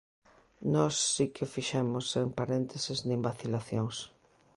Nós si que o fixemos sen parénteses nin vacilacións.